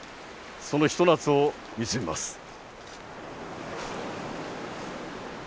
そのひと夏を見つめます。